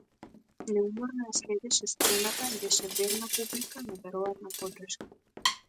Неуморно ја следеше сцената, беше верна публика, неверојатна поддршка.